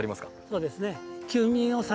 そうですね。